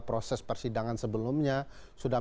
proses persidangan sebelumnya sudah